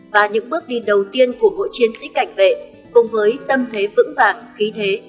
và những bước đi đầu tiên của mỗi chiến sĩ cảnh vệ cùng với tâm thế vững vàng khí thế